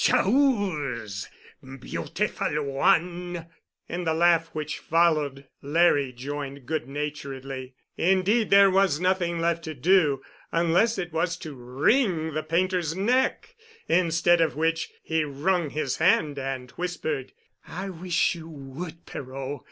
Cha oose, beautiful one!" In the laugh which followed Larry joined good naturedly. Indeed, there was nothing left to do—unless it was to wring the painter's neck. Instead of which, he wrung his hand and whispered, "I wish you would, Perot.